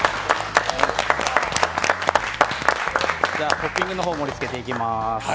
トッピングの方、盛りつけていきます。